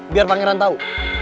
biar pangeran tahu